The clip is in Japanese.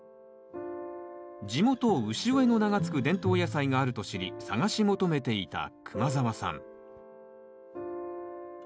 地元潮江の名が付く伝統野菜があると知り探し求めていた熊澤さん